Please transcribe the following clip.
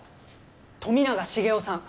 富永繁雄さん